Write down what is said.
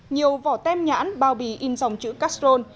nhiều vỏ tem nhãn bao bì in dòng chữ castrol